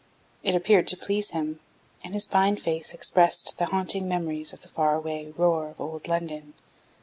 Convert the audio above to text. It appeared to please him, and his fine face expressed the haunting memories of the far away roar of Old London.